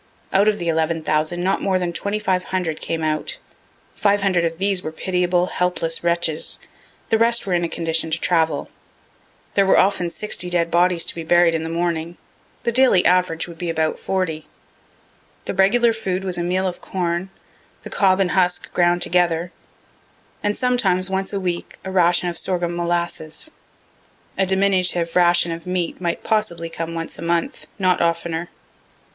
Out of the 11,000 not more than 2500 came out; 500 of these were pitiable, helpless wretches the rest were in a condition to travel. There were often 60 dead bodies to be buried in the morning; the daily average would be about 40. The regular food was a meal of corn, the cob and husk ground together, and sometimes once a week a ration of sorghum molasses. A diminutive ration of meat might possibly come once a month, not oftener.